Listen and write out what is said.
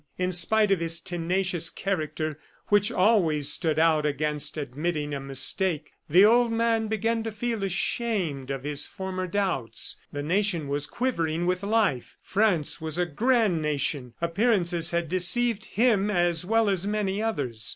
In spite of his tenacious character which always stood out against admitting a mistake, the old man began to feel ashamed of his former doubts. The nation was quivering with life; France was a grand nation; appearances had deceived him as well as many others.